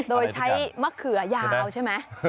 โดยใช้มะเขือยาวใช่ไหม